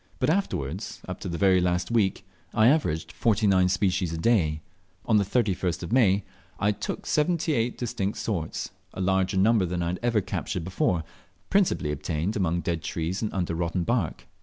But afterwards, up to the very last week, I averaged 49 species a day. On the 31st of May, I took 78 distinct sorts, a larger number than I had ever captured before, principally obtained among dead trees and under rotten bark.